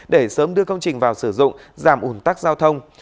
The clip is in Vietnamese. để sớm đưa công trình vào sử dụng giảm ủn tắc giao thông